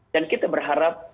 dan kita berharap